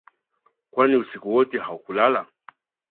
Kwani usiku wote haukulala